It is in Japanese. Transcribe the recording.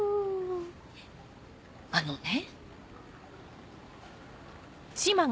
あのね。